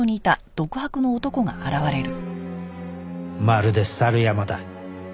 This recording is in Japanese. まるで猿山だ